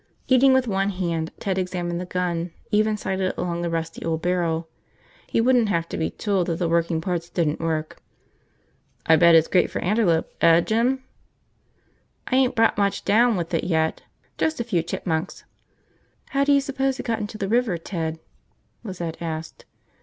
Eating with one hand, Ted examined the gun, even sighted along the rusty old barrel. He wouldn't have to be told that the working parts didn't work. "I bet it's great for antelope, eh, Jim?" "I ain't brought down much with it yet, just a few chipmunks." "How do you suppose it got into the river, Ted?" Lizette asked.